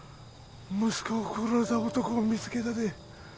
息子を殺した男を見つけたで